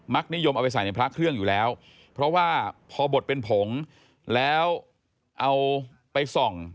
นิยมเอาไปใส่ในพระเครื่องอยู่แล้วเพราะว่าพอบดเป็นผงแล้วเอาไปส่อง